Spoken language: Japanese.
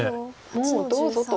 もうどうぞと。